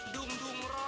dung dung rog